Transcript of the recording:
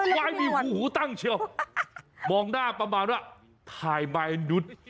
คว้ายมีหูตั้งเชียวมองหน้าประมาณว่าไทยมายนุษย์